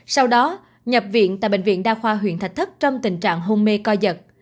sau đó nhập viện tại bệnh viện đa khoa huyện thạch thất trong tình trạng hôn mê co giật